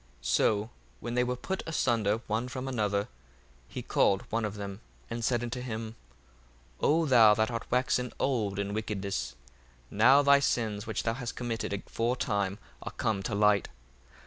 1:52 So when they were put asunder one from another, he called one of them, and said unto him, O thou that art waxen old in wickedness, now thy sins which thou hast committed aforetime are come to light.